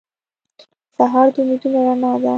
سهار د امیدونو رڼا ده.